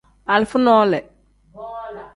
Alifa nole.